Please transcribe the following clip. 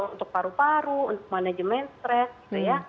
untuk paru paru untuk manajemen stres gitu ya